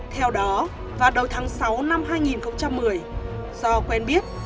theo đó vào đầu tháng sáu năm hai nghìn một mươi do quen biết